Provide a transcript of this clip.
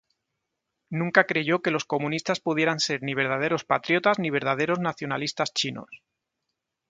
Nunca creyó que los comunistas pudieran ser ni verdaderos patriotas ni verdaderos nacionalistas chinos.